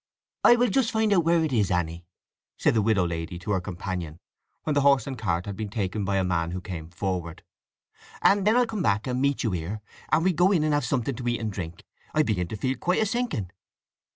"I will just find out where it is, Anny," said the widow lady to her companion, when the horse and cart had been taken by a man who came forward: "and then I'll come back, and meet you here; and we'll go in and have something to eat and drink. I begin to feel quite a sinking."